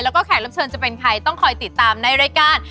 อยากจะคุยอะไรกับเค้าอีกคุย